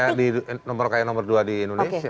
yang bikin orang nomor kaya nomor dua di indonesia